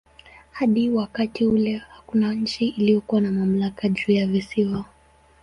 Hadi wakati ule hakuna nchi iliyokuwa na mamlaka juu ya visiwa.